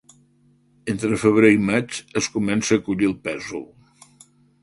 Entre febrer i maig es comença a collir el pèsol.